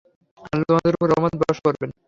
আল্লাহ তোমাদের উপর রহমত বর্ষণ করবেন।